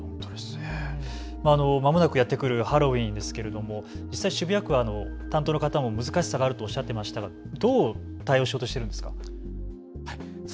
まもなくやってくるハロウィーンですが実際、渋谷区は担当の方も難しさがあるとおっしゃっていましたがどう対応しようとしているんですか。